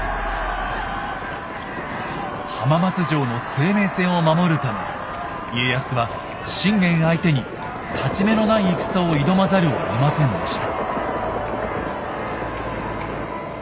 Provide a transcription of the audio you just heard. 浜松城の生命線を守るため家康は信玄相手に勝ち目のない戦を挑まざるをえませんでした。